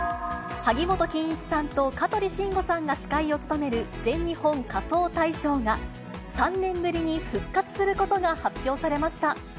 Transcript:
萩本欽一さんと香取慎吾さんが司会を務める全日本仮装大賞が、３年ぶりに復活することが発表されました。